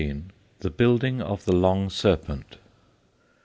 THE BUILDING OF THE LONG SERPENT.